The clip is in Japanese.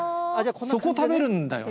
そこ食べるんだよね？